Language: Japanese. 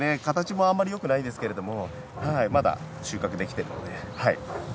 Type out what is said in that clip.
形もあまりよくないですけれどもまだ収穫できてるので。